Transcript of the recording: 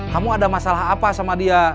kamu ada masalah apa sama dia